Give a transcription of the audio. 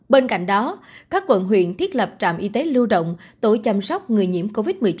bên cạnh đó các quận huyện thiết lập trạm y tế lưu động tổ chăm sóc người nhiễm covid một mươi chín